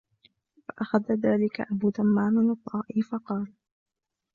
فَأَخَذَ ذَلِكَ أَبُو تَمَّامٍ الطَّائِيُّ فَقَالَ